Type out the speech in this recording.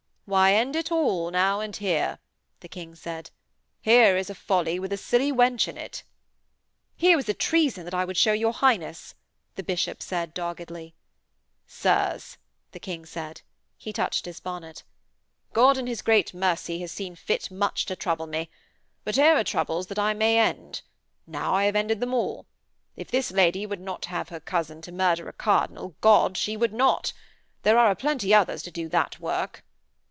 'Why, end it all, now and here,' the King said. 'Here is a folly with a silly wench in it.' 'Here was a treason that I would show your Highness,' the Bishop said doggedly. 'Sirs,' the King said. He touched his bonnet: 'God in His great mercy has seen fit much to trouble me. But here are troubles that I may end. Now I have ended them all. If this lady would not have her cousin to murder a cardinal, God, she would not. There are a plenty others to do that work.'